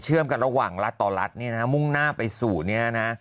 กันระหว่างรัฐต่อรัฐเนี่ยนะมุ่งหน้าไปสู่เนี่ยนะ